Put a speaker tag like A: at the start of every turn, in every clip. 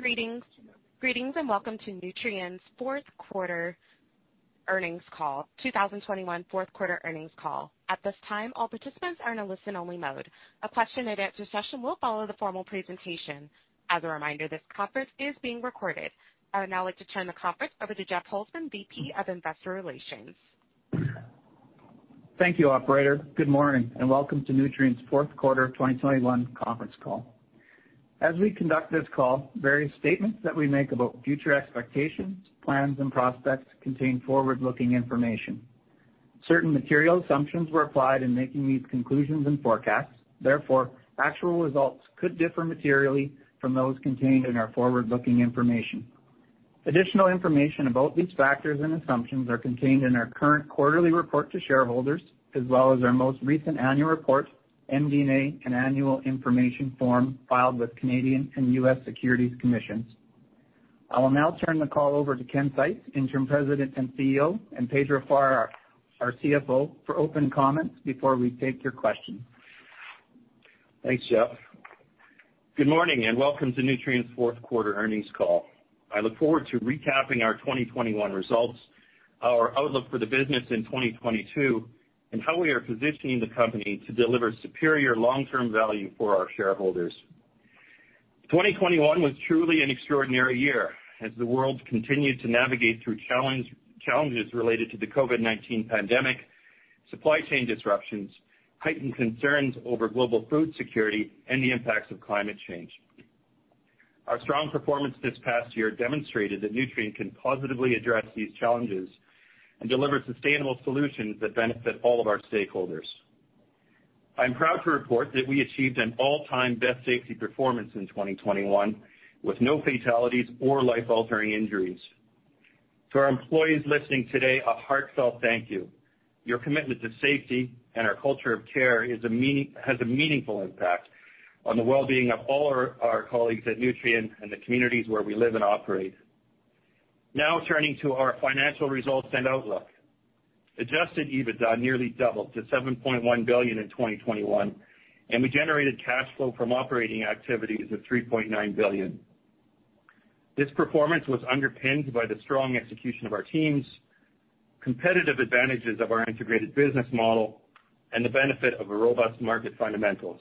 A: Greetings, and welcome to Nutrien's Q4 earnings call. 2021 Q4 earnings call. At this time, all participants are in a listen only mode. A question and answer session will follow the formal presentation. As a reminder, this conference is being recorded. I would now like to turn the conference over to Jeff Holzman, VP of Investor Relations.
B: Thank you, operator. Good morning and welcome to Nutrien's Q4 2021 conference call. As we conduct this call, various statements that we make about future expectations, plans and prospects contain forward-looking information. Certain material assumptions were applied in making these conclusions and forecasts, therefore, actual results could differ materially from those contained in our forward-looking information. Additional information about these factors and assumptions are contained in our current quarterly report to shareholders as well as our most recent annual report, MD&A, and annual information form filed with Canadian and U.S. Securities Commissions. I will now turn the call over to Ken Seitz, Interim President and CEO, and Pedro Farah, our CFO, for opening comments before we take your questions.
C: Thanks, Jeff. Good morning and welcome to Nutrien's Q4 earnings call. I look forward to recapping our 2021 results, our outlook for the business in 2022, and how we are positioning the company to deliver superior long-term value for our shareholders. 2021 was truly an extraordinary year as the world continued to navigate through challenge, challenges related to the COVID-19 pandemic, supply chain disruptions, heightened concerns over global food security, and the impacts of climate change. Our strong performance this past year demonstrated that Nutrien can positively address these challenges and deliver sustainable solutions that benefit all of our stakeholders. I am proud to report that we achieved an all-time best safety performance in 2021, with no fatalities or life-altering injuries. To our employees listening today, a heartfelt thank you. Your commitment to safety and our culture of care has a meaningful impact on the well-being of all our colleagues at Nutrien and the communities where we live and operate. Now turning to our financial results and outlook. Adjusted EBITDA nearly doubled to $7.1 billion in 2021, and we generated cash flow from operating activities of $3.9 billion. This performance was underpinned by the strong execution of our teams, competitive advantages of our integrated business model, and the benefit of a robust market fundamentals.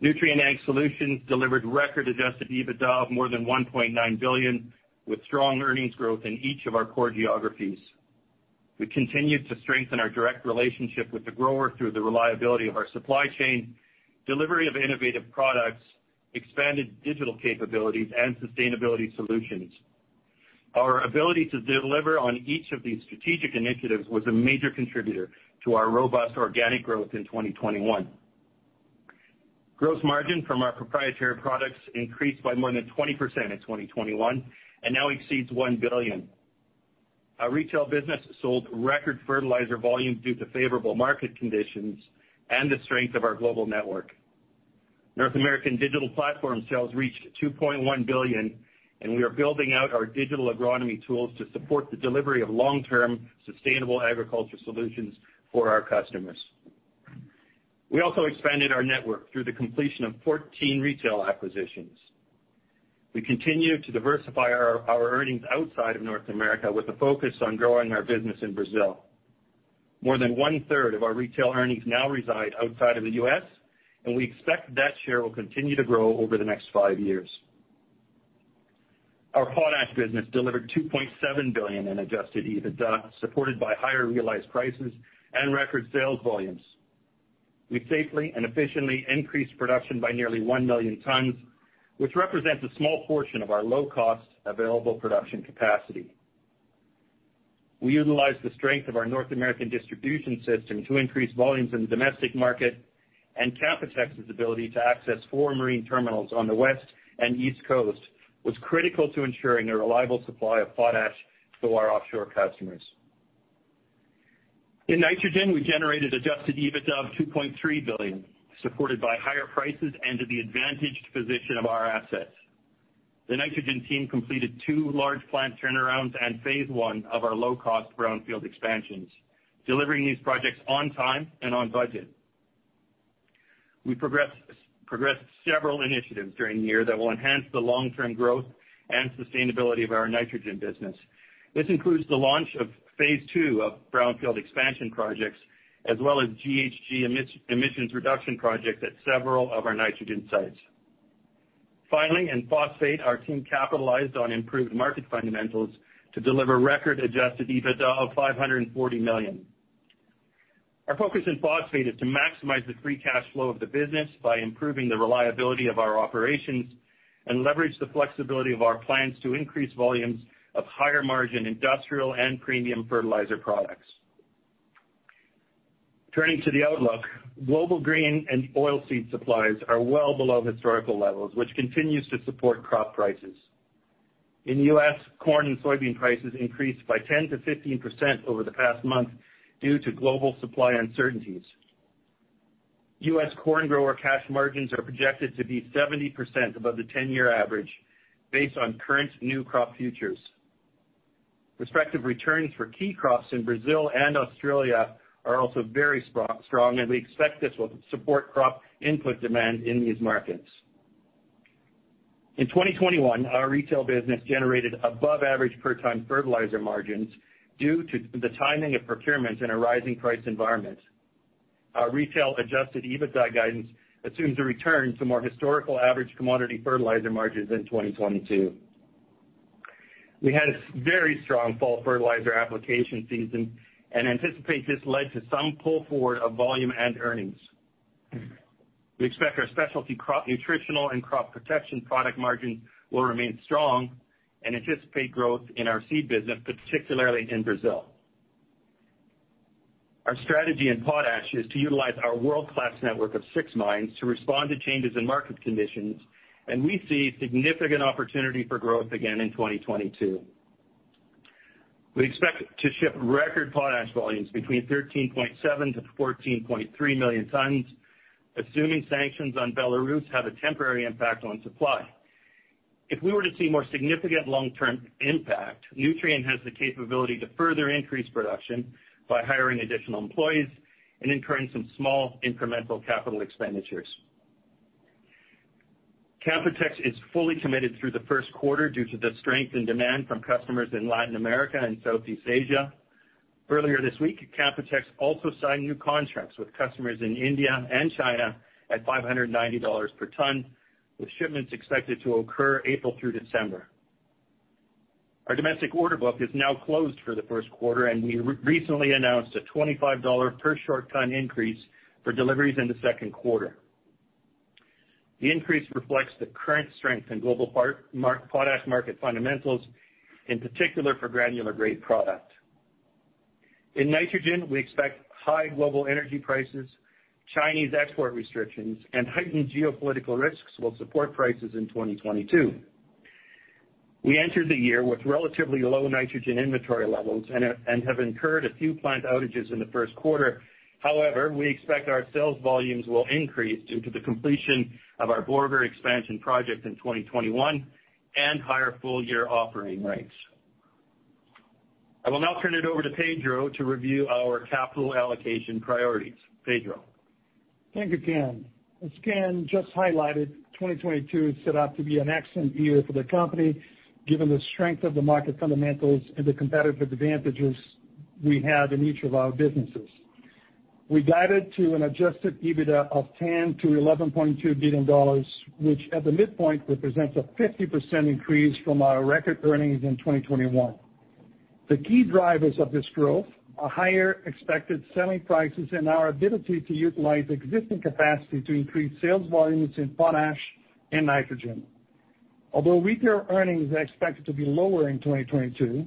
C: Nutrien Ag Solutions delivered record adjusted EBITDA of more than $1.9 billion, with strong earnings growth in each of our core geographies. We continued to strengthen our direct relationship with the grower through the reliability of our supply chain, delivery of innovative products, expanded digital capabilities, and sustainability solutions. Our ability to deliver on each of these strategic initiatives was a major contributor to our robust organic growth in 2021. Gross margin from our proprietary products increased by more than 20% in 2021 and now exceeds $1 billion. Our retail business sold record fertilizer volumes due to favorable market conditions and the strength of our global network. North American digital platform sales reached $2.1 billion, and we are building out our digital agronomy tools to support the delivery of long-term sustainable agriculture solutions for our customers. We also expanded our network through the completion of 14 retail acquisitions. We continue to diversify our earnings outside of North America with a focus on growing our business in Brazil. More than 1/3 of our retail earnings now reside outside of the U.S., and we expect that share will continue to grow over the next five years. Our Potash business delivered $2.7 billion in adjusted EBITDA, supported by higher realized prices and record sales volumes. We safely and efficiently increased production by nearly 1 million tons, which represents a small portion of our low-cost available production capacity. We utilized the strength of our North American distribution system to increase volumes in the domestic market, and Canpotex's ability to access four marine terminals on the West and East Coast was critical to ensuring a reliable supply of potash to our offshore customers. In nitrogen, we generated adjusted EBITDA of $2.3 billion, supported by higher prices and due to the advantaged position of our assets. The nitrogen team completed two large plant turnarounds and phase I of our low-cost brownfield expansions, delivering these projects on time and on budget. We progressed several initiatives during the year that will enhance the long-term growth and sustainability of our nitrogen business. This includes the launch of phase II of brownfield expansion projects as well as GHG emissions reduction projects at several of our nitrogen sites. Finally, in phosphate, our team capitalized on improved market fundamentals to deliver record adjusted EBITDA of $540 million. Our focus in phosphate is to maximize the free cash flow of the business by improving the reliability of our operations and leverage the flexibility of our plants to increase volumes of higher margin industrial and premium fertilizer products. Turning to the outlook. Global grain and oil seed supplies are well below historical levels, which continues to support crop prices. In the U.S., corn and soybean prices increased by 10%-15% over the past month due to global supply uncertainties. U.S. corn grower cash margins are projected to be 70% above the 10-year average based on current new crop futures. Respective returns for key crops in Brazil and Australia are also very strong, and we expect this will support crop input demand in these markets. In 2021, our retail business generated above average per ton fertilizer margins due to the timing of procurements in a rising price environment. Our retail adjusted EBITDA guidance assumes a return to more historical average commodity fertilizer margins in 2022. We had a very strong fall fertilizer application season and anticipate this led to some pull forward of volume and earnings. We expect our specialty crop nutritional and crop protection product margins will remain strong and anticipate growth in our seed business, particularly in Brazil. Our strategy in potash is to utilize our world-class network of six mines to respond to changes in market conditions, and we see significant opportunity for growth again in 2022. We expect to ship record potash volumes between 13.7-14.3 million tons, assuming sanctions on Belarus have a temporary impact on supply. If we were to see more significant long-term impact, Nutrien has the capability to further increase production by hiring additional employees and incurring some small incremental capital expenditures. Canpotex is fully committed through the Q1 due to the strength in demand from customers in Latin America and Southeast Asia. Earlier this week, Canpotex also signed new contracts with customers in India and China at $590 per ton, with shipments expected to occur April through December. Our domestic order book is now closed for the Q1, and we recently announced a $25 per short ton increase for deliveries in the Q2. The increase reflects the current strength in global potash market fundamentals, in particular for granular grade product. In nitrogen, we expect high global energy prices, Chinese export restrictions, and heightened geopolitical risks will support prices in 2022. We entered the year with relatively low nitrogen inventory levels and have incurred a few plant outages in the Q1. However, we expect our sales volumes will increase due to the completion of our Borger expansion project in 2021 and higher full-year operating rates. I will now turn it over to Pedro to review our capital allocation priorities. Pedro.
D: Thank you, Ken. As Ken just highlighted, 2022 is set out to be an excellent year for the company, given the strength of the market fundamentals and the competitive advantages we have in each of our businesses. We guided to an adjusted EBITDA of $10 billion-$11.2 billion, which at the midpoint represents a 50% increase from our record earnings in 2021. The key drivers of this growth are higher expected selling prices and our ability to utilize existing capacity to increase sales volumes in potash and nitrogen. Although retail earnings are expected to be lower in 2022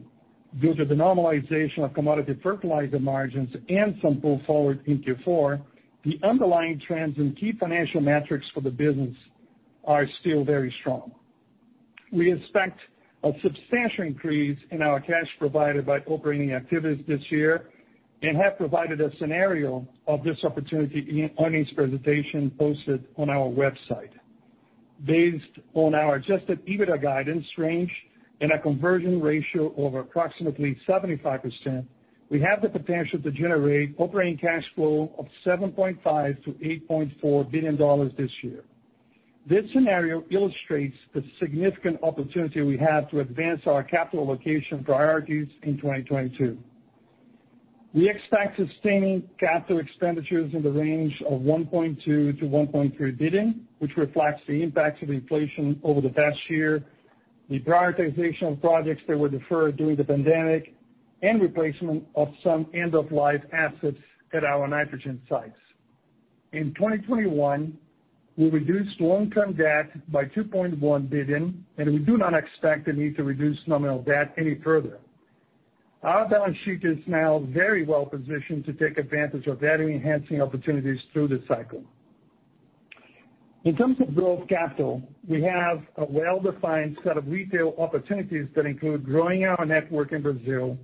D: due to the normalization of commodity fertilizer margins and some pull forward in Q4, the underlying trends in key financial metrics for the business are still very strong. We expect a substantial increase in our cash provided by operating activities this year and have provided a scenario of this opportunity in earnings presentation posted on our website. Based on our adjusted EBITDA guidance range and a conversion ratio of approximately 75%, we have the potential to generate operating cash flow of $7.5 billion-$8.4 billion this year. This scenario illustrates the significant opportunity we have to advance our capital allocation priorities in 2022. We expect sustaining capital expenditures in the range of $1.2 billion-$1.3 billion, which reflects the impacts of inflation over the past year, the prioritization of projects that were deferred during the pandemic, and replacement of some end-of-life assets at our nitrogen sites. In 2021, we reduced long-term debt by $2.1 billion, and we do not expect the need to reduce nominal debt any further. Our balance sheet is now very well positioned to take advantage of value-enhancing opportunities through this cycle. In terms of growth capital, we have a well-defined set of retail opportunities that include growing our network in Brazil,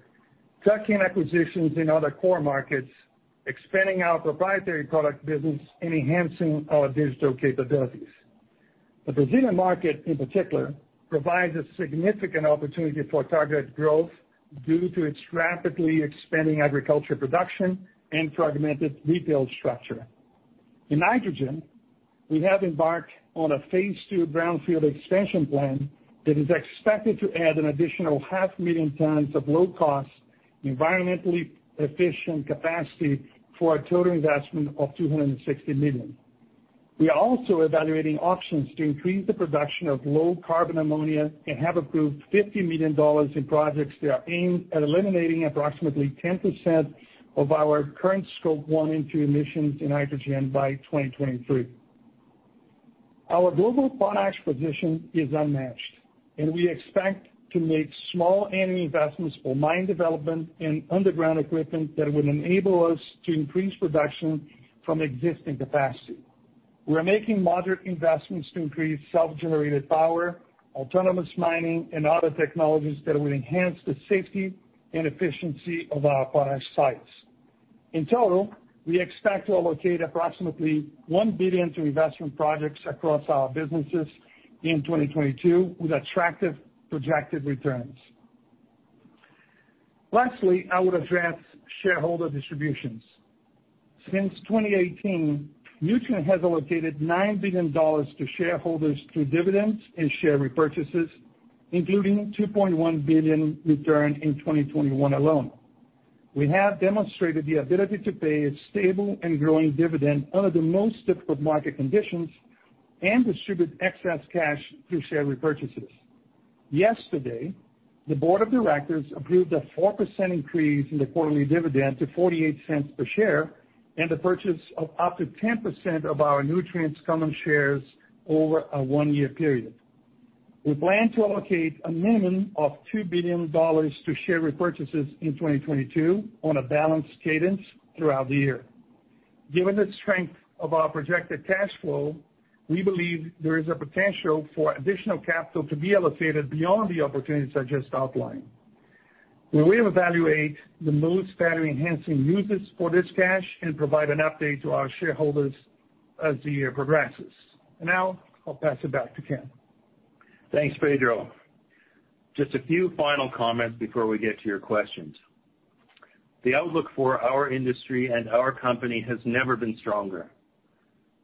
D: tuck-in acquisitions in other core markets, expanding our proprietary product business, and enhancing our digital capabilities. The Brazilian market, in particular, provides a significant opportunity for targeted growth due to its rapidly expanding agriculture production and fragmented retail structure. In nitrogen, we have embarked on a phase II brownfield expansion plan that is expected to add an additional 500,000 tons of low cost, environmentally efficient capacity for a total investment of $260 million. We are also evaluating options to increase the production of low-carbon ammonia and have approved $50 million in projects that are aimed at eliminating approximately 10% of our current Scope 1 and 2 emissions in hydrogen by 2023. Our global potash position is unmatched, and we expect to make small annual investments for mine development and underground equipment that will enable us to increase production from existing capacity. We're making moderate investments to increase self-generated power, autonomous mining, and other technologies that will enhance the safety and efficiency of our potash sites. In total, we expect to allocate approximately $1 billion to investment projects across our businesses in 2022 with attractive projected returns. Lastly, I would address shareholder distributions. Since 2018, Nutrien has allocated $9 billion to shareholders through dividends and share repurchases, including $2.1 billion return in 2021 alone. We have demonstrated the ability to pay a stable and growing dividend under the most difficult market conditions and distribute excess cash through share repurchases. Yesterday, the board of directors approved a 4% increase in the quarterly dividend to $0.48 per share and the purchase of up to 10% of Nutrien's common shares over a one-year period. We plan to allocate a minimum of $2 billion to share repurchases in 2022 on a balanced cadence throughout the year. Given the strength of our projected cash flow, we believe there is a potential for additional capital to be allocated beyond the opportunities I just outlined. We will evaluate the most value-enhancing uses for this cash and provide an update to our shareholders as the year progresses. Now, I'll pass it back to Ken.
C: Thanks, Pedro. Just a few final comments before we get to your questions. The outlook for our industry and our company has never been stronger.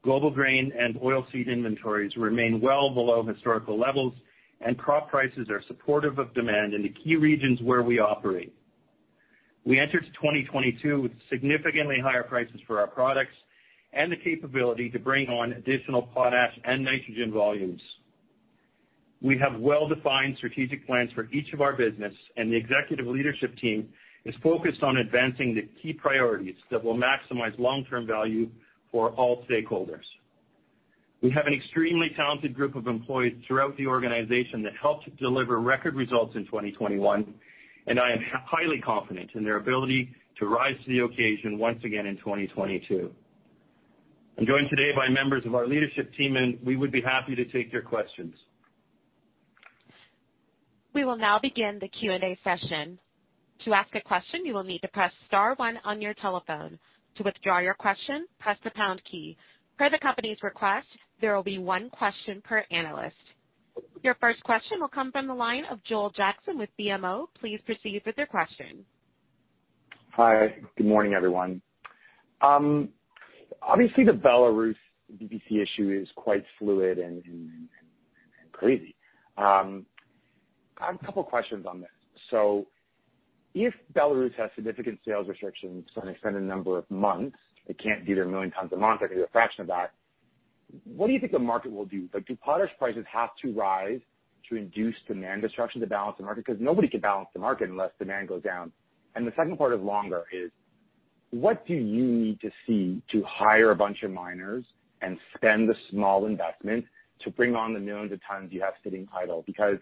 C: Global grain and oil seed inventories remain well below historical levels, and crop prices are supportive of demand in the key regions where we operate. We entered 2022 with significantly higher prices for our products and the capability to bring on additional potash and nitrogen volumes. We have well-defined strategic plans for each of our business, and the executive leadership team is focused on advancing the key priorities that will maximize long-term value for all stakeholders. We have an extremely talented group of employees throughout the organization that helped deliver record results in 2021, and I am highly confident in their ability to rise to the occasion once again in 2022. I'm joined today by members of our leadership team, and we would be happy to take your questions.
A: We will now begin the Q&A session. To ask a question, you will need to press star one on your telephone. To withdraw your question, press the pound key. Per the company's request, there will be one question per analyst. Your first question will come from the line of Joel Jackson with BMO. Please proceed with your question.
E: Hi, good morning, everyone. Obviously, the Belarus BPC issue is quite fluid and crazy. I have a couple of questions on this. If Belarus has significant sales restrictions for an extended number of months, it can't do their 1 million tons a month, they can do a fraction of that, what do you think the market will do? Like, do potash prices have to rise to induce demand destruction to balance the market? 'Cause nobody can balance the market unless demand goes down. The second part is longer, what do you need to see to hire a bunch of miners and spend the small investment to bring on the millions of tons you have sitting idle? Because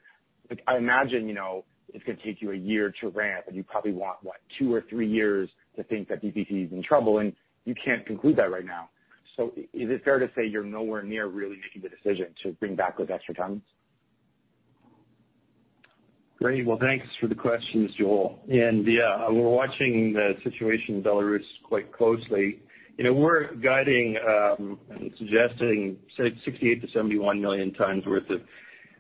E: I imagine, you know, it's gonna take you a year to ramp, and you probably want, what, two or three years to think that BPC is in trouble, and you can't conclude that right now. Is it fair to say you're nowhere near really making the decision to bring back those extra tons?
C: Great. Well, thanks for the questions, Joel. Yeah, we're watching the situation in Belarus quite closely. You know, we're guiding and suggesting 68-71 million tons worth of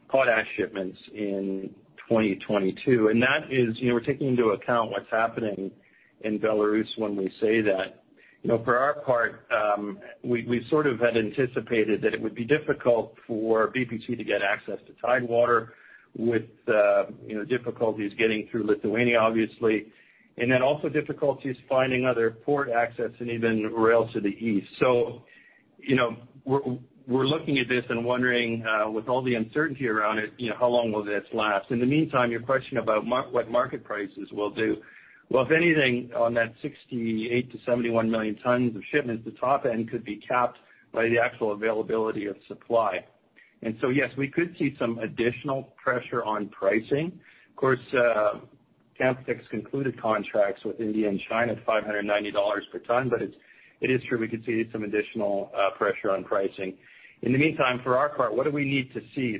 C: potash shipments in 2022. That is, you know, we're taking into account what's happening in Belarus when we say that. You know, for our part, we sort of had anticipated that it would be difficult for BPC to get access to Tidewater with, you know, difficulties getting through Lithuania, obviously, and then also difficulties finding other port access and even rail to the east. You know, we're looking at this and wondering, with all the uncertainty around it, you know, how long will this last. In the meantime, your question about what market prices will do. Well, if anything, on that 68-71 million tons of shipments, the top end could be capped by the actual availability of supply. Yes, we could see some additional pressure on pricing. Of course, Canpotex concluded contracts with India and China at $590 per ton, but it is true we could see some additional pressure on pricing. In the meantime, for our part, what do we need to see?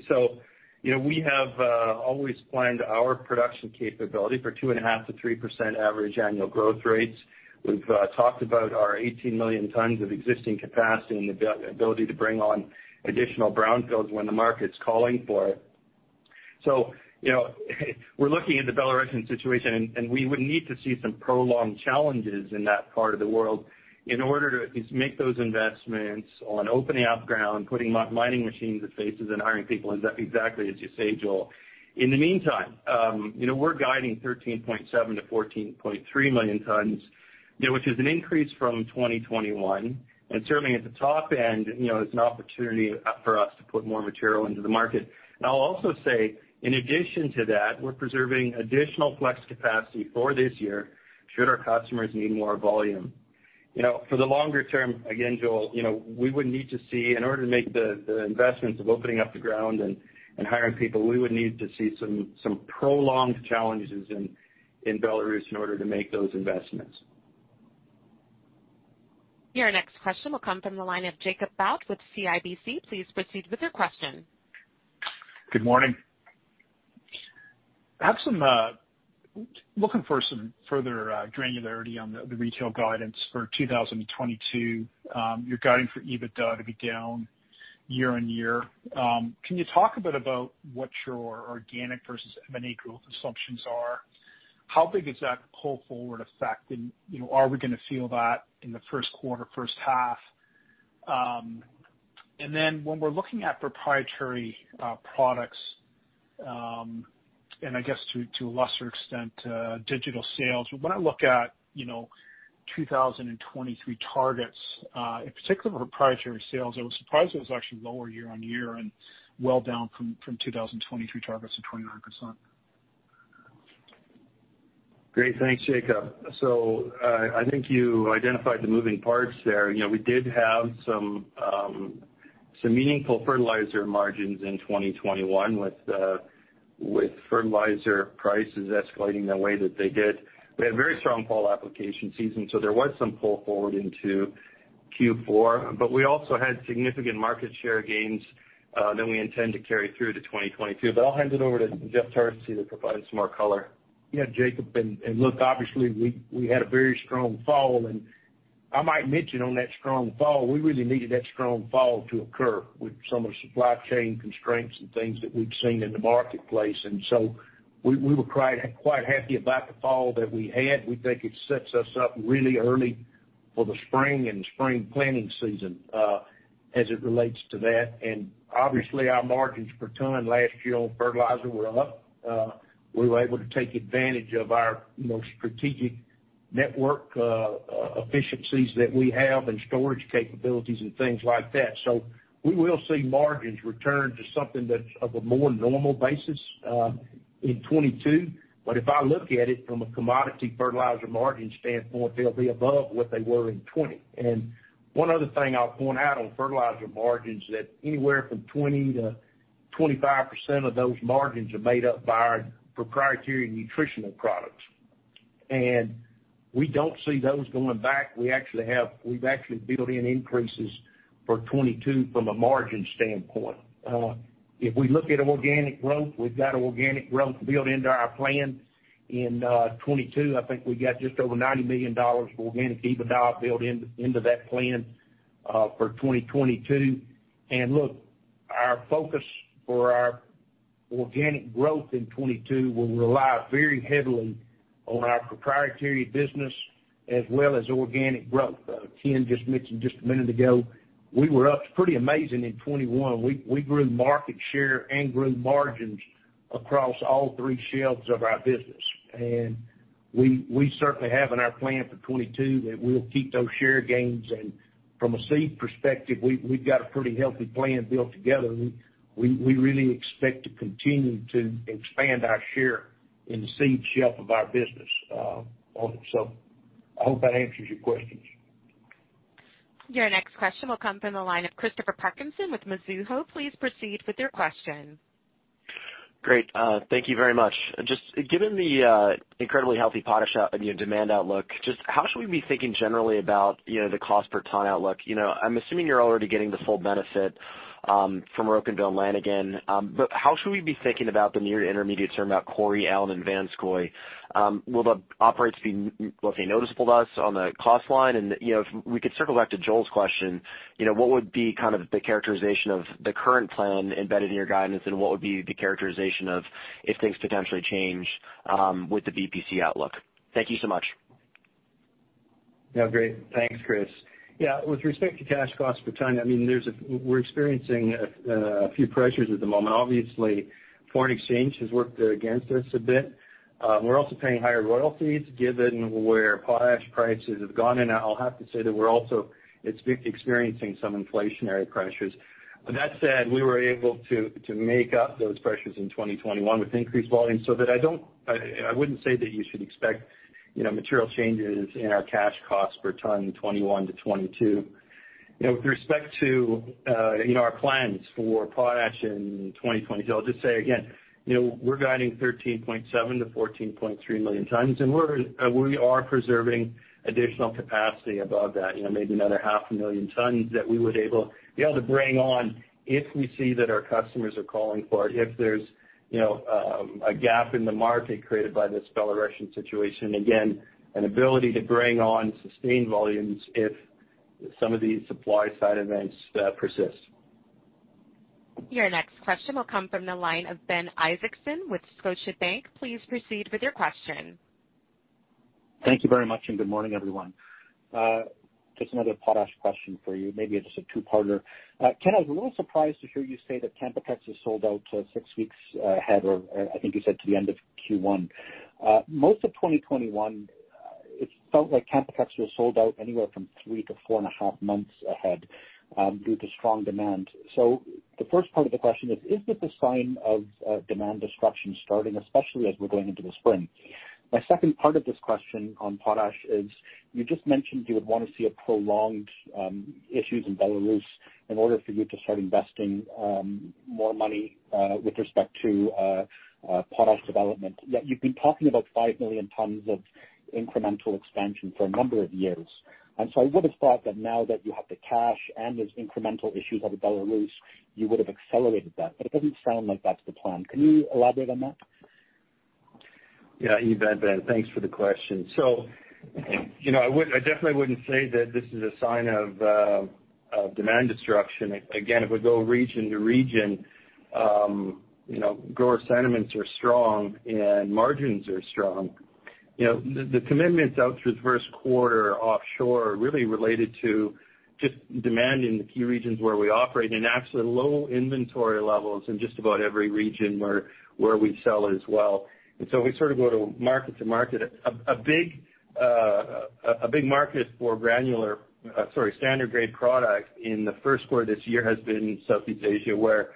C: You know, we have always planned our production capability for 2.5%-3% average annual growth rates. We've talked about our 18 million tons of existing capacity and the ability to bring on additional brownfields when the market's calling for it. You know, we're looking at the Belarusian situation, and we would need to see some prolonged challenges in that part of the world in order to at least make those investments on opening up ground, putting mining machines at faces and hiring people, exactly as you say, Joel. In the meantime, you know, we're guiding 13.7-14.3 million tons, you know, which is an increase from 2021. Certainly at the top end, you know, it's an opportunity for us to put more material into the market. I'll also say, in addition to that, we're preserving additional flex capacity for this year should our customers need more volume. You know, for the longer term, again, Joel, you know, we would need to see in order to make the investments of opening up the ground and hiring people, we would need to see some prolonged challenges in Belarus in order to make those investments.
A: Your next question will come from the line of Jacob Bout with CIBC. Please proceed with your question.
F: Good morning. Looking for some further granularity on the retail guidance for 2022. You're guiding for EBITDA to be down year-over-year. Can you talk a bit about what your organic versus M&A growth assumptions are? How big is that pull forward effect? You know, are we gonna feel that in the Q1, H1? When we're looking at proprietary products, and I guess to a lesser extent digital sales, when I look at 2023 targets, in particular for proprietary sales, I was surprised it was actually lower year-over-year and well down from 2023 targets of 29%.
C: Great. Thanks, Jacob. I think you identified the moving parts there. You know, we did have some meaningful fertilizer margins in 2021 with fertilizer prices escalating the way that they did. We had a very strong fall application season, so there was some pull forward into Q4. We also had significant market share gains that we intend to carry through to 2022. I'll hand it over to Jeff Tarsi to provide some more color.
G: Yeah, Jacob, look, obviously we had a very strong fall, and I might mention on that strong fall, we really needed that strong fall to occur with some of the supply chain constraints and things that we've seen in the marketplace. We were quite happy about the fall that we had. We think it sets us up really early for the spring and spring planting season, as it relates to that. Obviously, our margins per ton last year on fertilizer were up. We were able to take advantage of our, you know, strategic network, efficiencies that we have and storage capabilities and things like that. We will see margins return to something that's of a more normal basis in 2022. If I look at it from a commodity fertilizer margin standpoint, they'll be above what they were in 2020. One other thing I'll point out on fertilizer margins that anywhere from 20%-25% of those margins are made up by our proprietary nutritional products. We don't see those going back. We've actually built in increases for 2022 from a margin standpoint. If we look at organic growth, we've got organic growth built into our plan in 2022. I think we've got just over $90 million of organic EBITDA built into that plan for 2022. Look, our focus for our organic growth in 2022 will rely very heavily on our proprietary business as well as organic growth. Ken just mentioned a minute ago, we were up pretty amazing in 2021. We grew market share and grew margins across all three shelves of our business. We certainly have in our plan for 2022 that we'll keep those share gains. From a seed perspective, we've got a pretty healthy plan built together. We really expect to continue to expand our share in the seed shelf of our business. I hope that answers your questions.
A: Your next question will come from the line of Christopher Parkinson with Mizuho. Please proceed with your question.
H: Great. Thank you very much. Just given the incredibly healthy potash, you know, demand outlook, just how should we be thinking generally about, you know, the cost per ton outlook? You know, I'm assuming you're already getting the full benefit from Rocanville and Lanigan. But how should we be thinking about the near intermediate term about Cory, Allan and Vanscoy? Will the operates be, will it be noticeable to us on the cost line? And, you know, if we could circle back to Joel's question, you know, what would be kind of the characterization of the current plan embedded in your guidance, and what would be the characterization of if things potentially change with the BPC outlook? Thank you so much.
C: Yeah. Great. Thanks, Chris. Yeah, with respect to cash cost per ton, I mean, we're experiencing a few pressures at the moment. Obviously, foreign exchange has worked against us a bit. We're also paying higher royalties given where potash prices have gone. I'll have to say that we're also experiencing some inflationary pressures. That said, we were able to make up those pressures in 2021 with increased volume. I wouldn't say that you should expect, you know, material changes in our cash cost per ton in 2021 to 2022. You know, with respect to our plans for potash in 2022, I'll just say again, you know, we're guiding 13.7-14.3 million tons, and we are preserving additional capacity above that, you know, maybe another 0.5 million tons that we would be able to bring on if we see that our customers are calling for it, if there's, you know, a gap in the market created by this Belarusian situation. Again, an ability to bring on sustained volumes if some of these supply side events persist.
A: Your next question will come from the line of Ben Isaacson with Scotiabank. Please proceed with your question.
I: Thank you very much, and good morning, everyone. Just another potash question for you. Maybe it's a two-parter. Ken, I was a little surprised to hear you say that Canpotex is sold out six weeks ahead, or I think you said to the end of Q1. Most of 2021, it felt like Canpotex was sold out anywhere from three-4.5 months ahead due to strong demand. The first part of the question is this a sign of demand destruction starting, especially as we're going into the spring? My second part of this question on potash is you just mentioned you would want to see a prolonged issues in Belarus in order for you to start investing more money with respect to potash development. Yet, you've been talking about 5 million tons of incremental expansion for a number of years. I would have thought that now that you have the cash and there's incremental issues out of Belarus, you would have accelerated that. It doesn't sound like that's the plan. Can you elaborate on that?
C: Yeah. You bet, Ben. Thanks for the question. You know, I definitely wouldn't say that this is a sign of demand destruction. If we go region to region, you know, grower sentiments are strong and margins are strong. You know, the commitments out through the Q1 offshore are really related to just demand in the key regions where we operate and actually low inventory levels in just about every region where we sell as well. We sort of go to market to market. A big market for standard grade product in the Q1 this year has been Southeast Asia, where,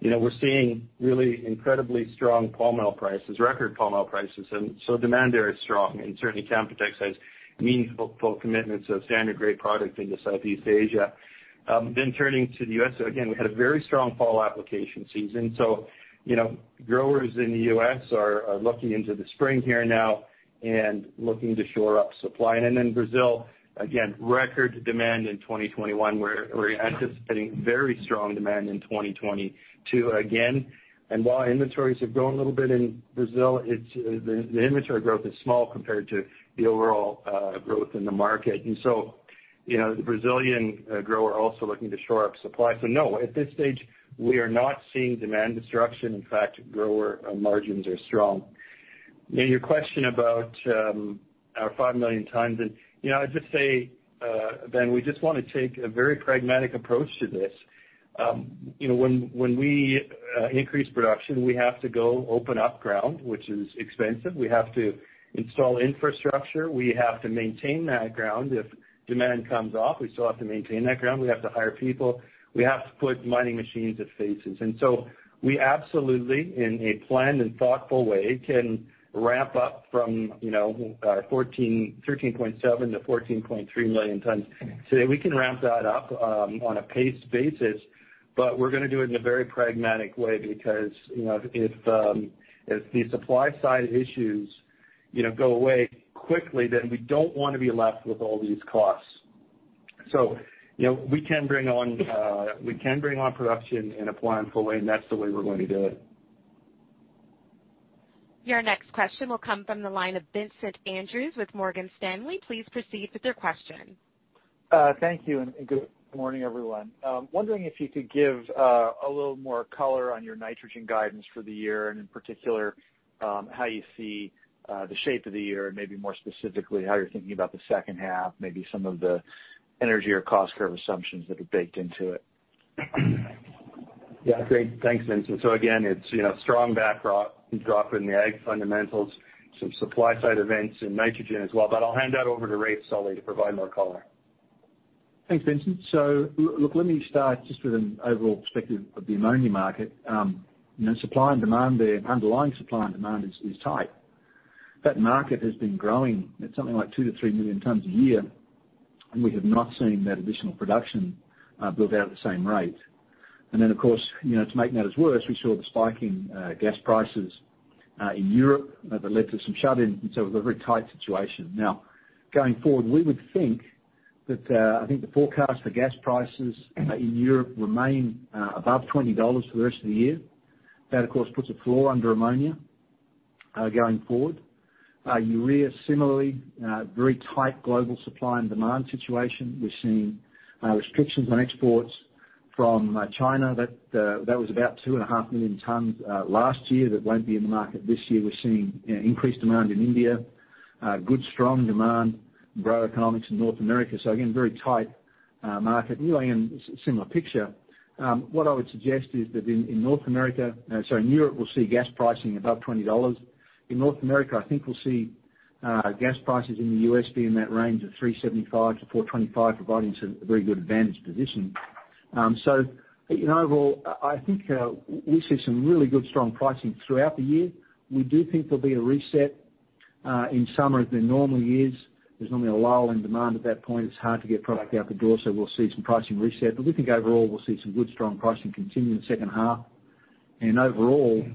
C: you know, we're seeing really incredibly strong palm oil prices, record palm oil prices, and demand there is strong. Certainly, Canpotex has meaningful commitments of standard grade product into Southeast Asia. Turning to the U.S., again, we had a very strong fall application season. You know, growers in the U.S. are looking into the spring here now and looking to shore up supply. In Brazil, again, record demand in 2021, we're anticipating very strong demand in 2022 again. While inventories have grown a little bit in Brazil, it's the inventory growth is small compared to the overall growth in the market. You know, the Brazilian grower are also looking to shore up supply. No, at this stage, we are not seeing demand destruction. In fact, grower margins are strong. Your question about our 5 million tons. You know, I'd just say, Ben, we just wanna take a very pragmatic approach to this. You know, when we increase production, we have to go open up ground, which is expensive. We have to install infrastructure. We have to maintain that ground. If demand comes off, we still have to maintain that ground. We have to hire people. We have to put mining machines at faces. We absolutely, in a planned and thoughtful way, can ramp up from, you know, 13.7-14.3 million tons. We can ramp that up on a paced basis, but we're gonna do it in a very pragmatic way because, you know, if the supply side issues, you know, go away quickly, then we don't wanna be left with all these costs. You know, we can bring on production in a planned, full way, and that's the way we're going to do it.
A: Your next question will come from the line of Vincent Andrews with Morgan Stanley. Please proceed with your question.
J: Thank you, and good morning, everyone. Wondering if you could give a little more color on your nitrogen guidance for the year, and in particular, how you see the shape of the year, and maybe more specifically, how you're thinking about the H2, maybe some of the energy or cost curve assumptions that are baked into it.
C: Yeah. Great. Thanks, Vincent. Again, it's, you know, strong backdrop, drop in the ag fundamentals, some supply-side events in nitrogen as well. But I'll hand that over to Raef Sully to provide more color.
K: Thanks, Vincent. Look, let me start just with an overall perspective of the ammonia market. You know, supply and demand there, underlying supply and demand is tight. That market has been growing at something like 2-3 million tons a year, and we have not seen that additional production build out at the same rate. Of course, to make matters worse, we saw the spike in gas prices in Europe that led to some shut-ins. It was a very tight situation. Now, going forward, we would think that I think the forecast for gas prices in Europe remain above $20 for the rest of the year. That, of course, puts a floor under ammonia going forward. Urea similarly, very tight global supply and demand situation. We're seeing restrictions on exports from China that was about 2.5 million tons last year that won't be in the market this year. We're seeing increased demand in India, good, strong demand and grower economics in North America. Again, very tight market. UAN and similar picture. What I would suggest is that in Europe, we'll see gas pricing above $20. In North America, I think we'll see gas prices in the U.S. be in that range of $3.75-$4.25, providing some very good advantage position. You know, overall, I think we see some really good, strong pricing throughout the year. We do think there'll be a reset in summer as there normally is. There's normally a lull in demand at that point. It's hard to get product out the door, so we'll see some pricing reset. We think overall we'll see some good, strong pricing continue in the H2. Overall,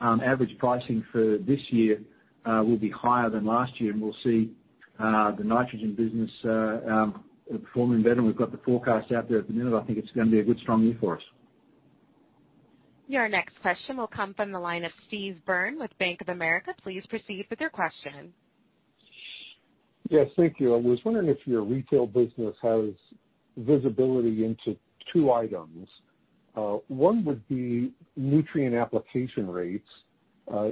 K: average pricing for this year will be higher than last year, and we'll see the nitrogen business performing better. We've got the forecast out there at the minute. I think it's gonna be a good strong year for us.
A: Your next question will come from the line of Steve Byrne with Bank of America. Please proceed with your question.
L: Yes. Thank you. I was wondering if your retail business has visibility into two items. One would be nutrient application rates,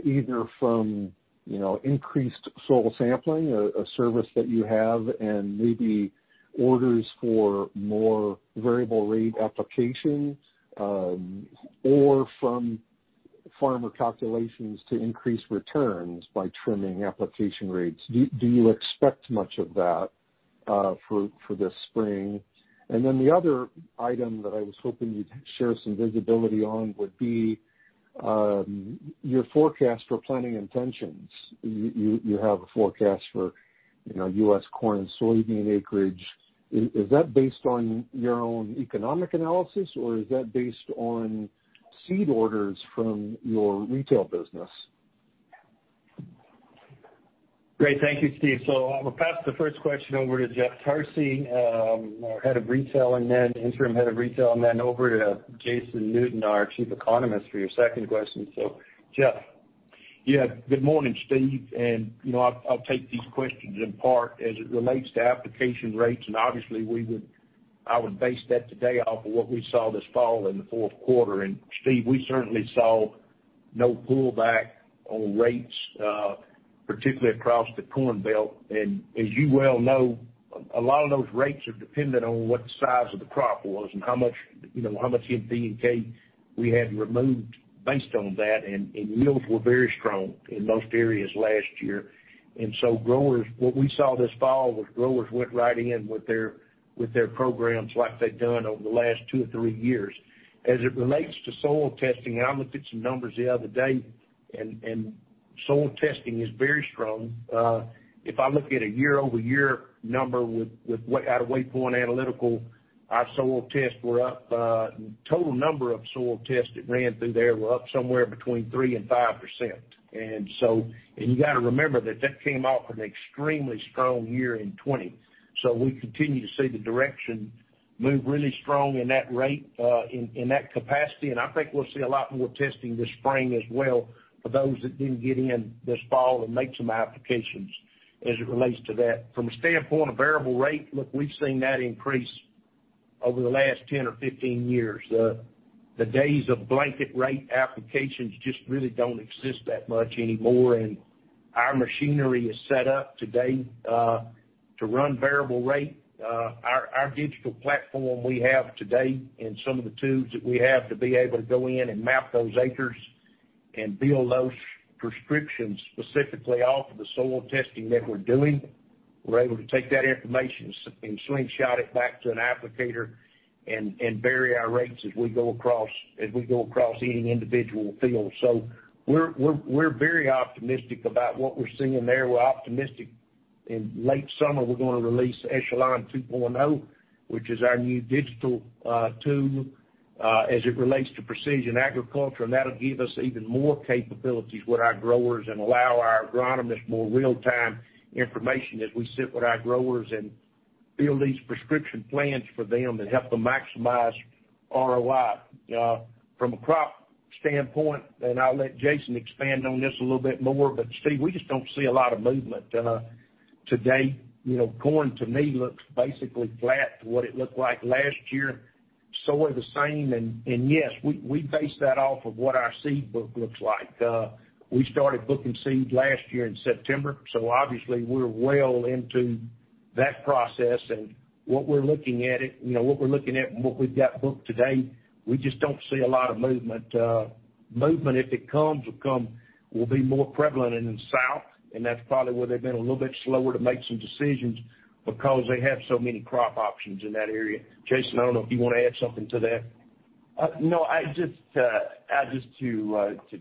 L: either from, you know, increased soil sampling, a service that you have, and maybe orders for more variable rate application, or from farmer calculations to increase returns by trimming application rates. Do you expect much of that for this spring? Then the other item that I was hoping you'd share some visibility on would be your forecast for planting intentions. You have a forecast for, you know, U.S. corn and soybean acreage. Is that based on your own economic analysis, or is that based on seed orders from your retail business?
C: Great. Thank you, Steve. I will pass the first question over to Jeff Tarsi, our Interim Head of Retail, and then over to Jason Newton, our Chief Economist, for your second question. Jeff?
G: Good morning, Steve. You know, I'll take these questions in part as it relates to application rates. Obviously, I would base that today off of what we saw this fall in the Q4. Steve, we certainly saw no pullback on rates, particularly across the Corn Belt. As you well know, a lot of those rates are dependent on what the size of the crop was and how much, you know, how much NPK we had removed based on that, and yields were very strong in most areas last year. Growers, what we saw this fall was growers went right in with their programs like they've done over the last two or three years. As it relates to soil testing, I looked at some numbers the other day, and soil testing is very strong. If I look at a year-over-year number with what out of Waypoint Analytical, our soil tests were up, total number of soil tests that ran through there were up somewhere between 3%-5%. You got to remember that came off an extremely strong year in 2020. We continue to see the direction move really strong in that rate, in that capacity. I think we'll see a lot more testing this spring as well for those that didn't get in this fall and make some applications as it relates to that. From a standpoint of variable rate, look, we've seen that increase over the last 10 or 15 years. The days of blanket rate applications just really don't exist that much anymore, and our machinery is set up today to run variable rate. Our digital platform we have today and some of the tools that we have to be able to go in and map those acres and build those prescriptions specifically off of the soil testing that we're doing, we're able to take that information and slingshot it back to an applicator and vary our rates as we go across any individual field. We're very optimistic about what we're seeing there. We're optimistic. In late summer, we're gonna release Echelon 2.0, which is our new digital tool as it relates to precision agriculture, and that'll give us even more capabilities with our growers and allow our agronomists more real-time information as we sit with our growers and build these prescription plans for them and help them maximize ROI. From a crop standpoint, and I'll let Jason expand on this a little bit more, but Steve, we just don't see a lot of movement. Today, you know, corn to me looks basically flat to what it looked like last year. Soy the same. Yes, we base that off of what our seed book looks like. We started booking seeds last year in September, so obviously we're well into that process. What we're looking at, you know, what we've got booked today, we just don't see a lot of movement. Movement, if it comes, will be more prevalent in the South, and that's probably where they've been a little bit slower to make some decisions because they have so many crop options in that area. Jason, I don't know if you want to add something to that.
M: No, I just wanted to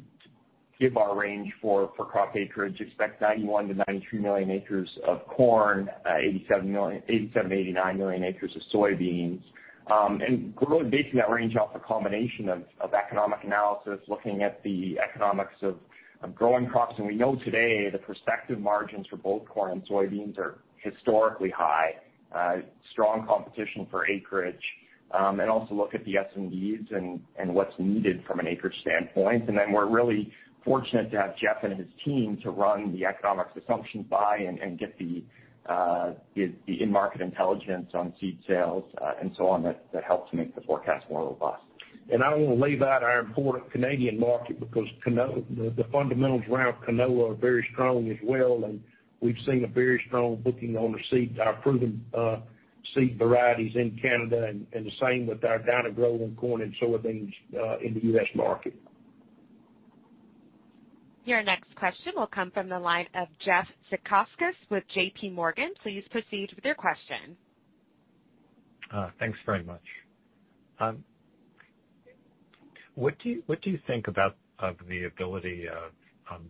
M: give our range for crop acreage, expect 91-93 million acres of corn, 87-89 million acres of soybeans. Basing that range off a combination of economic analysis, looking at the economics of growing crops. We know today the prospective margins for both corn and soybeans are historically high, strong competition for acreage, and also look at the S&Ds and what's needed from an acreage standpoint. Then we're really fortunate to have Jeff and his team to run the economics assumptions by and get the in-market intelligence on seed sales, and so on that helps make the forecast more robust.
G: I want to leave out our important Canadian market because the fundamentals around canola are very strong as well, and we've seen a very strong booking on the seed, our Proven seed varieties in Canada and the same with our Dyna-Gro growth in corn and soybeans in the U.S. market.
C: Your next question will come from the line of Jeffrey Zekauskas with JPMorgan. Please proceed with your question.
N: Thanks very much. What do you think about of the ability of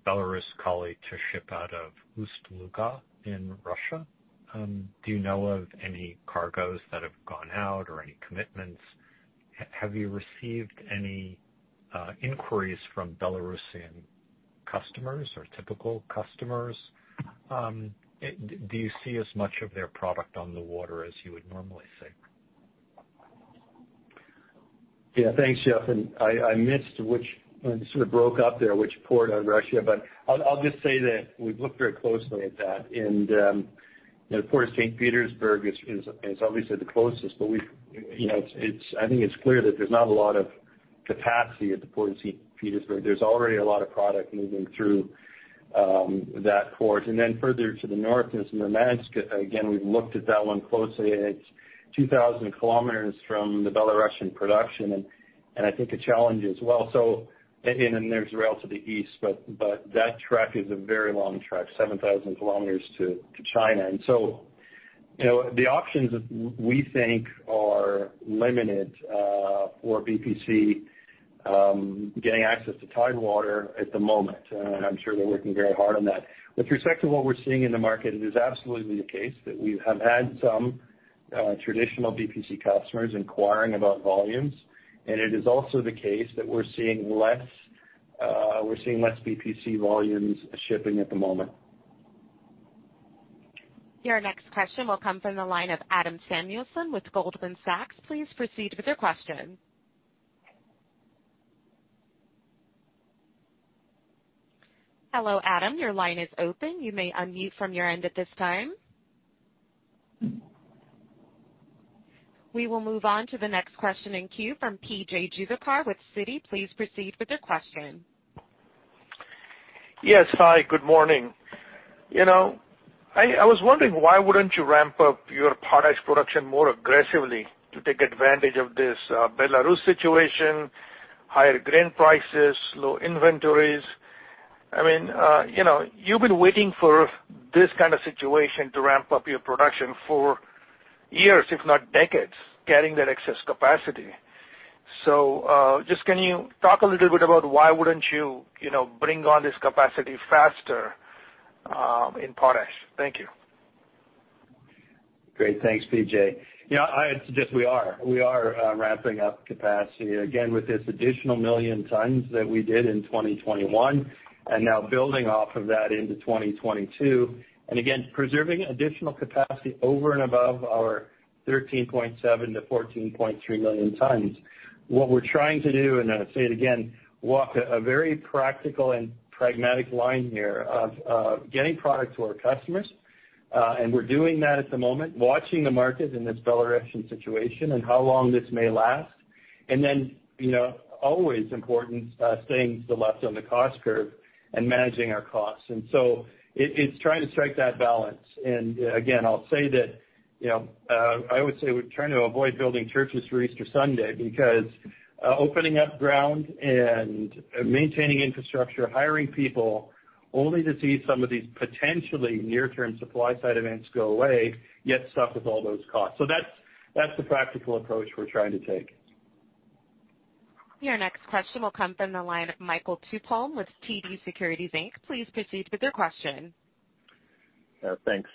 N: Belaruskali to ship out of Ust-Luga in Russia? Do you know of any cargoes that have gone out or any commitments? Have you received any inquiries from Belarusian customers or typical customers? Do you see as much of their product on the water as you would normally see?
C: Yeah. Thanks, Jeffrey. I missed which port on Russia. It sort of broke up there. I'll just say that we've looked very closely at that. You know, Port of St. Petersburg is obviously the closest, but we've, you know, it's, I think it's clear that there's not a lot of capacity at the Port of St. Petersburg. There's already a lot of product moving through that port. Further to the north is Murmansk. Again, we've looked at that one closely, and it's 2,000 KM from the Belarusian production, and I think a challenge as well. There's rail to the east, but that trek is a very long trek, 7,000 KM to China. You know, the options, we think are limited for BPC getting access to Tidewater at the moment, and I'm sure they're working very hard on that. With respect to what we're seeing in the market, it is absolutely the case that we have had some traditional BPC customers inquiring about volumes. It is also the case that we're seeing less BPC volumes shipping at the moment.
A: Your next question will come from the line of Adam Samuelson with Goldman Sachs. Please proceed with your question. Hello, Adam, your line is open. You may unmute from your end at this time. We will move on to the next question in queue from PJ Juvekar with Citi. Please proceed with your question.
O: Yes. Hi, good morning. You know, I was wondering why wouldn't you ramp up your potash production more aggressively to take advantage of this, Belarus situation, higher grain prices, low inventories? I mean, you know, you've been waiting for this kind of situation to ramp up your production for years, if not decades, carrying that excess capacity. Just can you talk a little bit about why wouldn't you know, bring on this capacity faster, in potash? Thank you.
C: Great. Thanks, PJ. You know, I'd suggest we are ramping up capacity again with this additional 1 million tons that we did in 2021, and now building off of that into 2022. Again, preserving additional capacity over and above our 13.7-14.3 million tons. What we're trying to do, and I'll say it again, walk a very practical and pragmatic line here of getting product to our customers, and we're doing that at the moment, watching the market in this Belarusian situation and how long this may last. Then, you know, always important, staying to the left on the cost curve and managing our costs. It's trying to strike that balance. Again, I'll say that, you know, I would say we're trying to avoid building churches for Easter Sunday because opening up ground and maintaining infrastructure, hiring people only to see some of these potentially near-term supply side events go away, yet stuck with all those costs. That's the practical approach we're trying to take.
A: Your next question will come from the line of Michael Tupholme with TD Securities Inc. Please proceed with your question.
P: Thanks.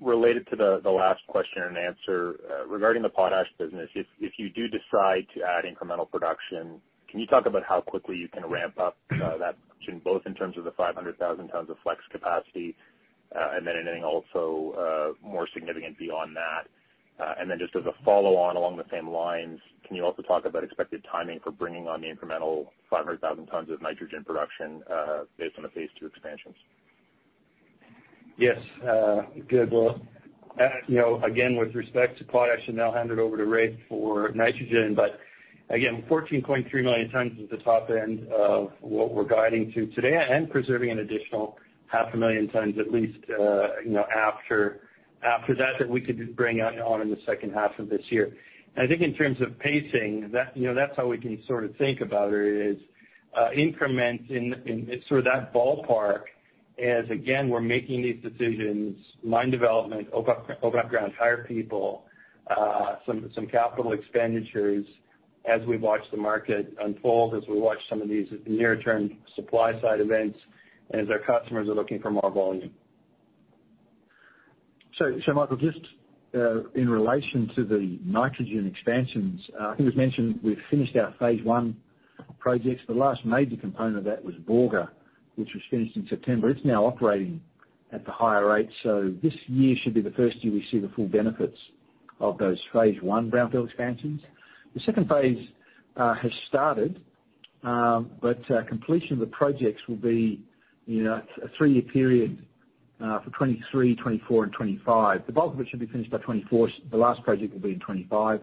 P: Related to the last question and answer, regarding the potash business, if you do decide to add incremental production, can you talk about how quickly you can ramp up that production both in terms of the 500,000 tons of flex capacity, and then anything also more significant beyond that? And then just as a follow-on along the same lines, can you also talk about expected timing for bringing on the incremental 500,000 tons of nitrogen production, based on the phase II expansions?
C: Yes, good. Well, you know, again, with respect to potash, and I'll hand it over to Raef for nitrogen, but again, 14.3 million tons is the top end of what we're guiding to today and preserving an additional 0.5 million tons at least, you know, after that we could bring on in the H2 of this year. I think in terms of pacing, that, you know, that's how we can sort of think about it is, increments in sort of that ballpark as again, we're making these decisions, mine development, open up ground, hire people, some capital expenditures as we watch the market unfold, as we watch some of these near-term supply side events, and as our customers are looking for more volume.
K: Michael, just in relation to the nitrogen expansions, I think as mentioned, we've finished our phase I projects. The last major component of that was Borger, which was finished in September. It's now operating at the higher rates. This year should be the first year we see the full benefits of those phase I brownfield expansions. The second phase has started, but completion of the projects will be a three-year period for 2023, 2024 and 2025. The bulk of it should be finished by 2024. The last project will be in 2025.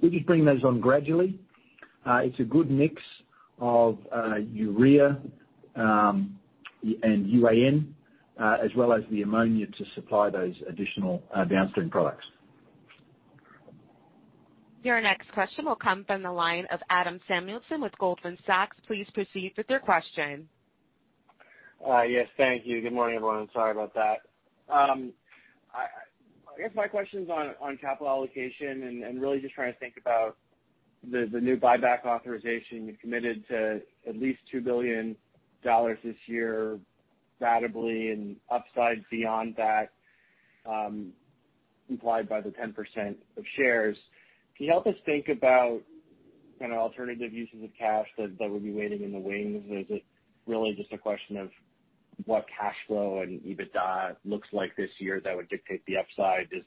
K: We'll just bring those on gradually. It's a good mix of urea, and UAN, as well as the ammonia to supply those additional downstream products.
A: Your next question will come from the line of Adam Samuelson with Goldman Sachs. Please proceed with your question.
Q: Yes, thank you. Good morning, everyone. Sorry about that. I guess my question's on capital allocation and really just trying to think about the new buyback authorization. You committed to at least $2 billion this year, ratably and upside beyond that, implied by the 10% of shares. Can you help us think about kind of alternative uses of cash that would be waiting in the wings? Is it really just a question of what cash flow and EBITDA looks like this year that would dictate the upside? Does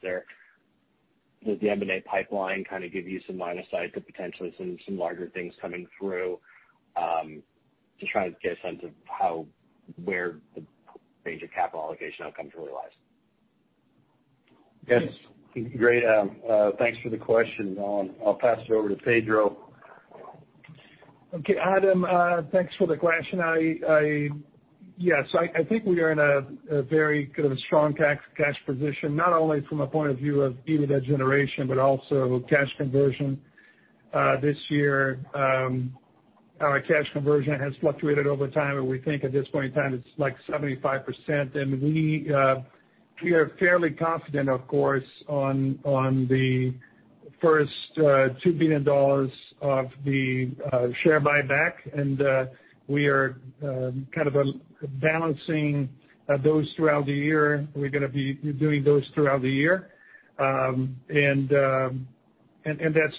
Q: the M&A pipeline kind of give you some line of sight to potentially some larger things coming through, to try to get a sense of how, where the range of capital allocation outcomes really lies?
C: Yes. Great. Thanks for the question. I'll pass it over to Pedro.
D: Okay, Adam, thanks for the question. Yes, I think we are in a very kind of a strong cash position, not only from a point of view of EBITDA generation, but also cash conversion this year. Our cash conversion has fluctuated over time, and we think at this point in time it's like 75%. We are fairly confident, of course, on the first $2 billion of the share buyback. We are kind of balancing those throughout the year. We're gonna be doing those throughout the year. That's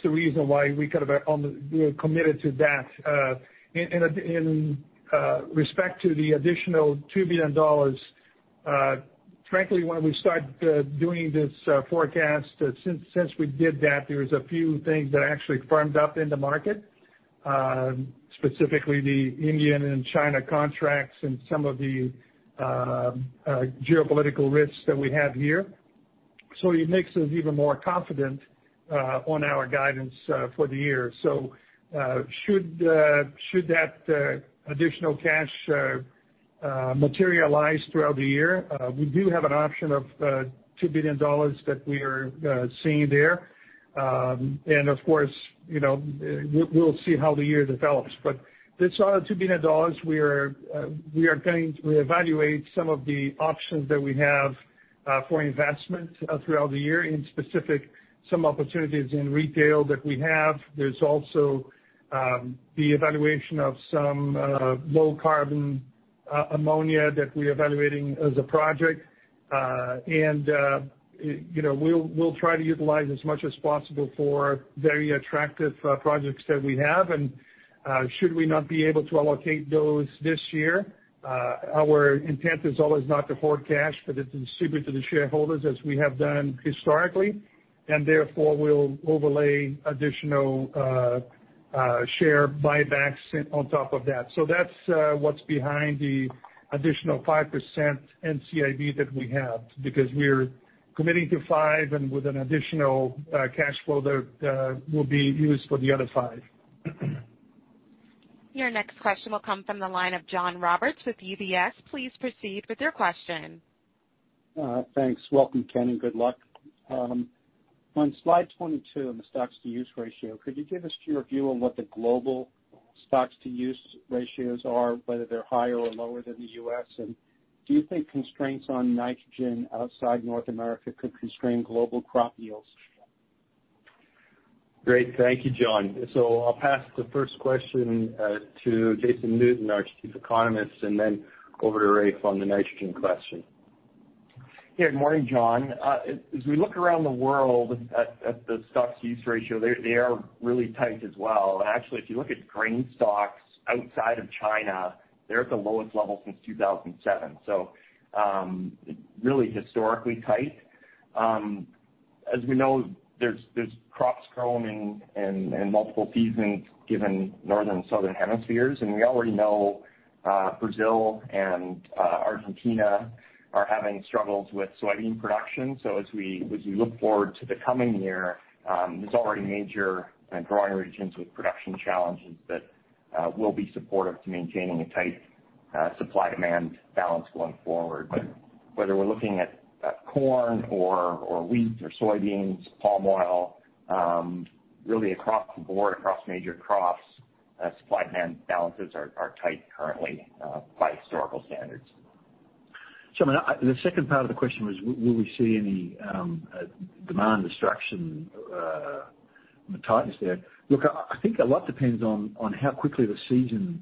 D: the reason why we are committed to that. In respect to the additional $2 billion, frankly, when we start doing this forecast, since we did that, there's a few things that actually firmed up in the market, specifically the India and China contracts and some of the geopolitical risks that we have here. It makes us even more confident on our guidance for the year. Should that additional cash materialize throughout the year, we do have an option of $2 billion that we are seeing there. Of course, you know, we'll see how the year develops. This $2 billion we are going to evaluate some of the options that we have for investment throughout the year. Specifically, some opportunities in retail that we have. There's also the evaluation of some low-carbon ammonia that we're evaluating as a project. You know, we'll try to utilize as much as possible for very attractive projects that we have. Should we not be able to allocate those this year, our intent is always not to hoard cash, but to distribute to the shareholders as we have done historically, and therefore we'll overlay additional share buybacks on top of that. That's what's behind the additional 5% NCIB that we have, because we're committing to five and with an additional cash flow that will be used for the other five.
A: Your next question will come from the line of John Roberts with UBS. Please proceed with your question.
R: Thanks. Welcome, Ken, and good luck. On slide 22 on the stocks-to-use ratio, could you give us your view on what the global stocks-to-use ratios are, whether they're higher or lower than the U.S.? Do you think constraints on nitrogen outside North America could constrain global crop yields?
D: Great. Thank you, John. I'll pass the first question to Jason Newton, our Chief Economist, and then over to Raef on the nitrogen question.
M: Yeah. Good morning, John. As we look around the world at the stocks-to-use ratio, they are really tight as well. Actually, if you look at grain stocks outside of China, they're at the lowest level since 2007. Really historically tight. As we know, there's crops growing in multiple seasons given northern, southern hemispheres. We already know, Brazil and Argentina are having struggles with soybean production. As we look forward to the coming year, there's already major and growing regions with production challenges that will be supportive to maintaining a tight supply-demand balance going forward. Whether we're looking at corn or wheat or soybeans, palm oil, really across the board, across major crops, supply and demand balances are tight currently, by historical standards.
K: I mean, the second part of the question was will we see any demand destruction, tightness there? Look, I think a lot depends on how quickly the season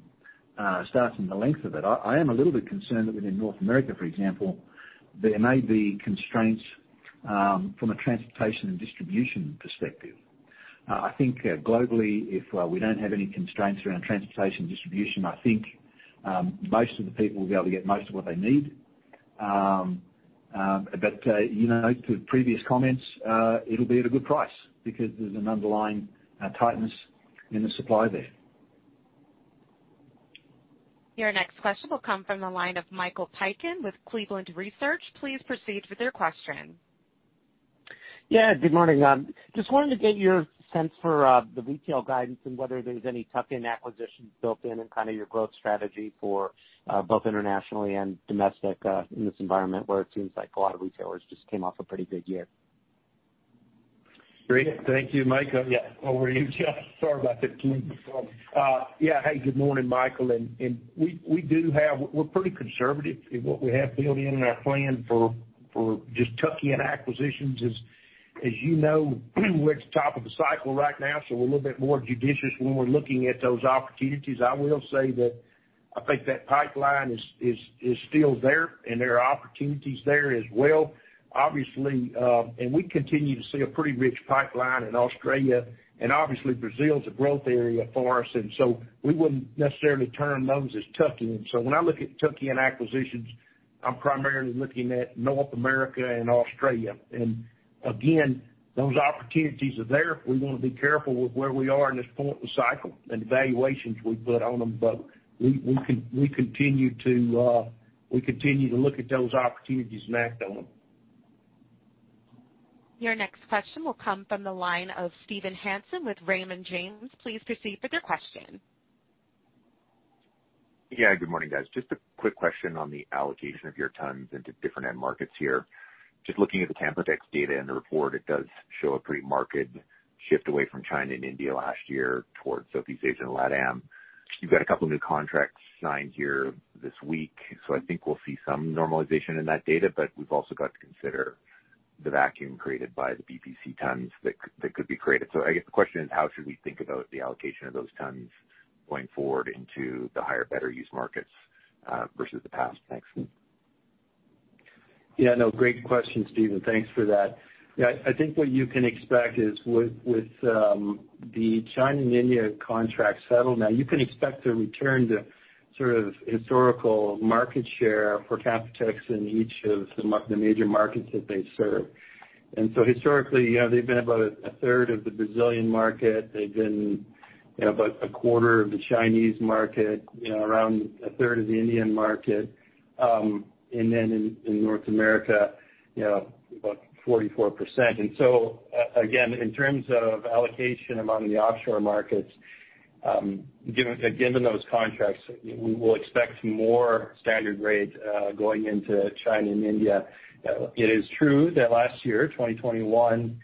K: starts and the length of it. I am a little bit concerned that within North America, for example, there may be constraints from a transportation and distribution perspective. I think globally, if we don't have any constraints around transportation and distribution, I think most of the people will be able to get most of what they need. You know, to previous comments, it'll be at a good price because there's an underlying tightness in the supply there.
A: Your next question will come from the line of Michael Piken with Cleveland Research. Please proceed with your question.
S: Yeah, good morning. Just wanted to get your sense for the retail guidance and whether there's any tuck-in acquisitions built in and kind of your growth strategy for both internationally and domestic in this environment where it seems like a lot of retailers just came off a pretty good year?
D: Great. Thank you, Mike. Yeah, over to you, Jeff.
G: Sorry about that, Ken. Yeah. Hey, good morning, Mike. We do have—we're pretty conservative in what we have built in our plan for just tuck-in acquisitions. As you know, we're at the top of the cycle right now, so we're a little bit more judicious when we're looking at those opportunities. I will say that I think that pipeline is still there and there are opportunities there as well, obviously. We continue to see a pretty rich pipeline in Australia, and obviously Brazil is a growth area for us, and we wouldn't necessarily term those as tuck-in. When I look at tuck-in acquisitions, I'm primarily looking at North America and Australia. Again, those opportunities are there. We wanna be careful with where we are in this point in the cycle and evaluations we put on them. We continue to look at those opportunities and act on them.
A: Your next question will come from the line of Steve Hansen with Raymond James. Please proceed with your question.
T: Yeah. Good morning, guys. Just a quick question on the allocation of your tons into different end markets here. Just looking at the TAMREX data in the report, it does show a pretty marked shift away from China and India last year towards Southeast Asia and LATAM. You've got a couple new contracts signed here this week, so I think we'll see some normalization in that data. We've also got to consider the vacuum created by the BPC tons that could be created. I guess the question is how should we think about the allocation of those tons going forward into the higher better use markets versus the past? Thanks.
C: Yeah, no, great question, Steve. Thanks for that. Yeah, I think what you can expect is with the China and India contract settlement, you can expect to return to sort of historical market share for Canpotex in each of the major markets that they serve. Historically, you know, they've been about a third of the Brazilian market. They've been, you know, about a quarter of the Chinese market, you know, around a third of the Indian market, and then in North America, you know, about 44%. Again, in terms of allocation among the offshore markets, given those contracts, we will expect more standard rates going into China and India. It is true that last year, 2021,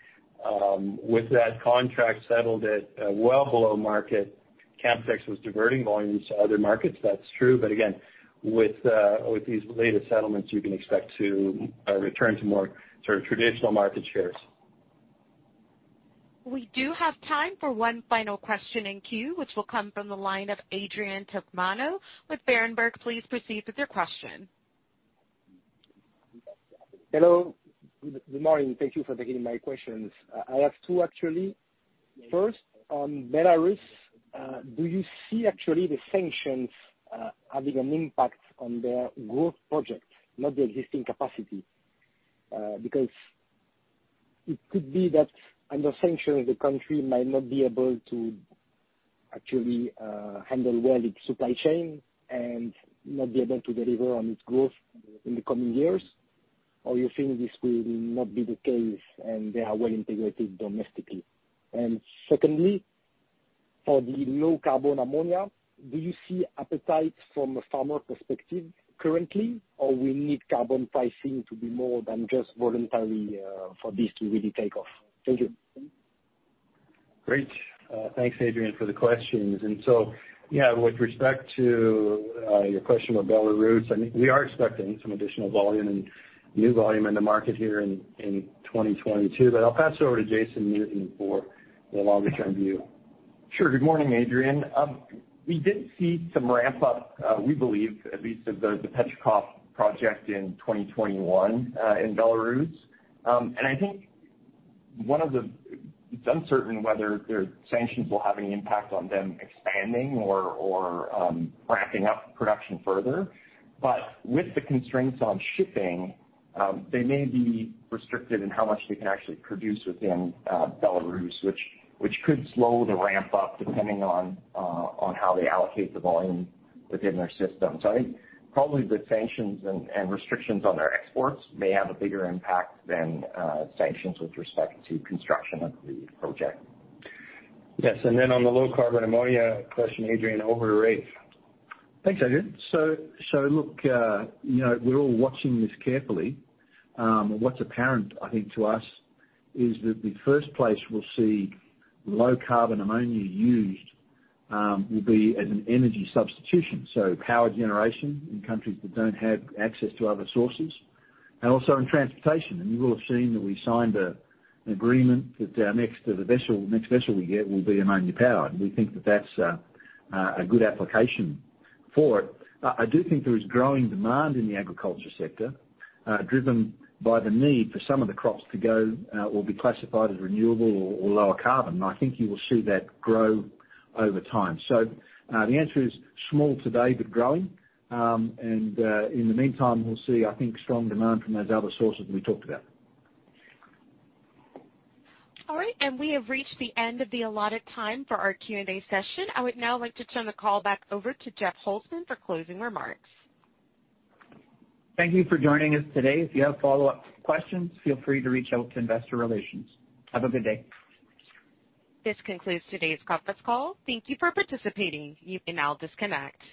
C: with that contract settled at well below market, Canpotex was diverting volumes to other markets. That's true. Again, with these latest settlements, you can expect to return to more sort of traditional market shares.
A: We do have time for one final question in queue, which will come from the line of Adrien Tamagno with Berenberg. Please proceed with your question.
U: Hello. Good morning. Thank you for taking my questions. I have two, actually. First, on Belarus, do you see actually the sanctions having an impact on their growth projects, not the existing capacity? Because it could be that under sanctions, the country might not be able to actually handle well its supply chain and not be able to deliver on its growth in the coming years. You think this will not be the case and they are well integrated domestically? Secondly, for the low-carbon ammonia, do you see appetite from a farmer perspective currently or we need carbon pricing to be more than just voluntary for this to really take off? Thank you.
C: Great. Thanks, Adrien, for the questions. With respect to your question on Belarus, I mean, we are expecting some additional volume and new volume in the market here in 2022, but I'll pass over to Jason Newton for the longer-term view.
M: Sure. Good morning, Adrien. We did see some ramp up, we believe, at least of the Petrikov project in 2021, in Belarus. I think it's uncertain whether their sanctions will have any impact on them expanding or ramping up production further. With the constraints on shipping, they may be restricted in how much they can actually produce within Belarus, which could slow the ramp up depending on how they allocate the volume within their system. I think probably the sanctions and restrictions on their exports may have a bigger impact than sanctions with respect to construction of the project.
C: Yes. On the low-carbon ammonia question, Adrien, over to Raef.
K: Thanks, Adrien. Look, you know, we're all watching this carefully. What's apparent, I think, to us is that the first place we'll see low-carbon ammonia used will be as an energy substitution, so power generation in countries that don't have access to other sources and also in transportation. You will have seen that we signed an agreement that our next vessel we get will be ammonia powered. We think that that's a good application for it. I do think there is growing demand in the agriculture sector, driven by the need for some of the crops to go or be classified as renewable or lower carbon. I think you will see that grow over time. The answer is small today, but growing. In the meantime, we'll see, I think, strong demand from those other sources we talked about.
A: All right. We have reached the end of the allotted time for our Q&A session. I would now like to turn the call back over to Jeff Holzman for closing remarks.
B: Thank you for joining us today. If you have follow-up questions, feel free to reach out to Investor Relations. Have a good day.
A: This concludes today's conference call. Thank you for participating. You can now disconnect.